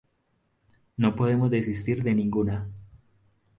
No podemos desistir de ninguna.